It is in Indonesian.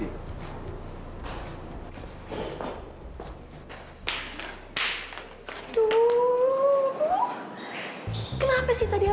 harus kehidupan sama proses tapi dipasyu